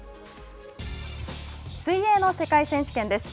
水泳の世界選手権です。